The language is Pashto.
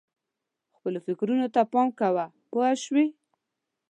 خپلو فکرونو ته پام کوه پوه شوې!.